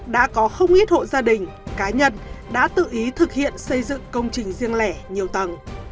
đã có không ít hộ gia đình cá nhân đã tự ý thực hiện xây dựng công trình riêng lẻ nhiều tầng